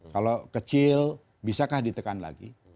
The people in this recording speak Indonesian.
kalau kecil bisakah ditekan lagi